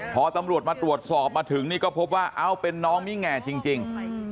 พอตำรวจมาตรวจสอบมาถึงนี่ก็พบว่าเอ้าเป็นน้องมิแง่จริง